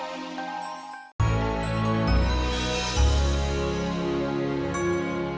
pak prabu lagi bicara sama siapa sih